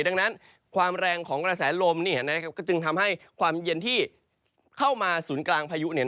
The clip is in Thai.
ดังนั้นความแรงของกระแสลมก็จึงทำให้ความเย็นที่เข้ามาศูนย์กลางพายุ